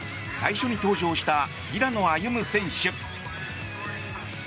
最初に登場した平野歩夢選手。